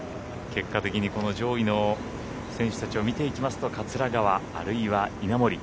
結果的にこの上位の選手たちを見ていきますと桂川、あるいは稲森